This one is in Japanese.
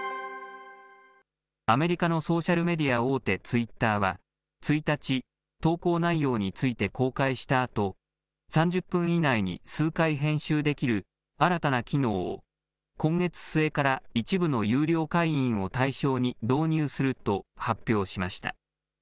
アメリカのソーシャルメディア大手、ツイッターは、１日、投稿内容について公開したあと、３０分以内に数回編集できる新たな機能を、今月末から一部の有料会員を対象に導入すると発表しました。